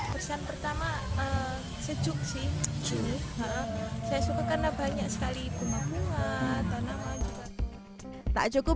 pesan pertama sejuk sih saya suka karena banyak sekali bunga bunga tanaman juga tak cukup